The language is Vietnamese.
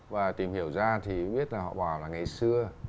và tìm hiểu ra thì biết là họ bảo là ngày xưa